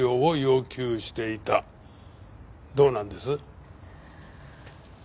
どうなんです？